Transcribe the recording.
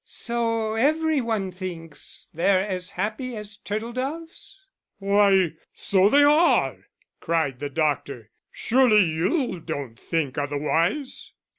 "So every one thinks they're as happy as turtle doves?" "Why, so they are," cried the doctor; "surely you don't think otherwise?"